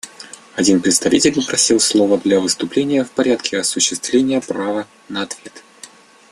Один представитель попросил слова для выступления в порядке осуществления права на ответ.